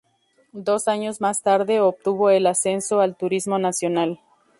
Dos años más tarde obtuvo el ascenso al Turismo Nacional.